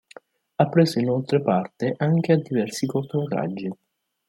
Ha preso inoltre parte anche a diversi cortometraggi.